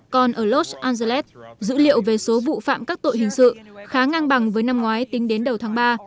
còn ở los angeles dữ liệu về số vụ phạm các tội hình sự khá ngang bằng với năm ngoái tính đến đầu tháng ba